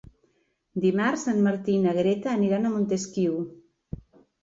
Dimarts en Martí i na Greta aniran a Montesquiu.